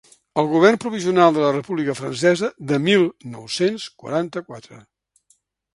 El govern provisional de la república francesa del mil nou-cents quaranta-quatre.